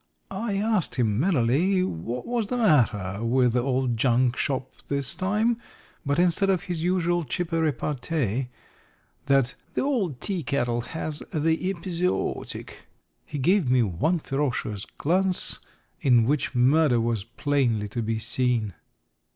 I asked him, merrily, what was the matter with the old junk shop this time, but instead of his usual chipper repartee, that "the old tea kettle has the epizootic," he gave me one ferocious glance in which murder was plainly to be seen.